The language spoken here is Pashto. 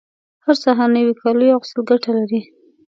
هر سهار نوي کالیو اغوستل ګټه لري